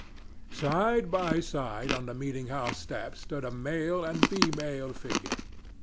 Side by side on the meeting house steps stood a male and a female figure.